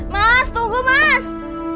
mas tunggu mas